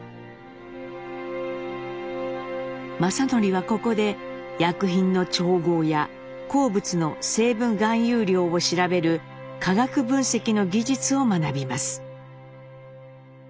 正順はここで薬品の調合や鉱物の成分含有量を調べる化学分析の技術を学びます。